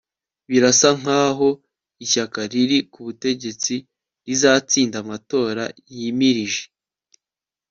birasa nkaho ishyaka riri kubutegetsi rizatsinda amatora yimirije